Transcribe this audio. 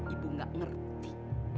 ibu gak ngerti